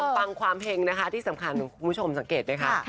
ฟังความเห็งนะคะที่สำคัญคุณผู้ชมสังเกตไหมคะ